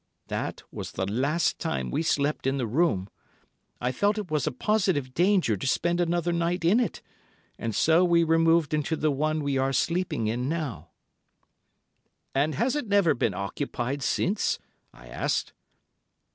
That was the last time we slept in the room. I felt it was a positive danger to spend another night in it, and so we removed into the one we are sleeping in now." "And has it never been occupied since?" I asked.